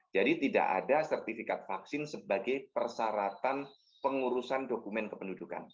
jadi tidak ada sertifikat vaksin sebagai persyaratan pengurusan dokumen kependudukan